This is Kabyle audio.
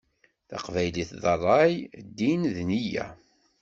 Taqbaylit d ṛṛay, ddin d neyya.